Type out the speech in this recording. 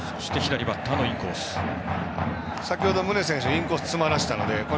先程、宗選手インコース詰まらせたので。